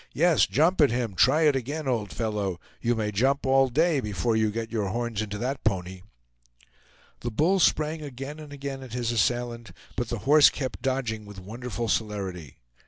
Yes, jump at him; try it again, old fellow! You may jump all day before you get your horns into that pony!" The bull sprang again and again at his assailant, but the horse kept dodging with wonderful celerity.